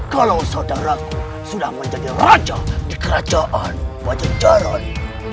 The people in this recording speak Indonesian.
kalau saudaraku sudah menjadi raja di kerajaan bajajaran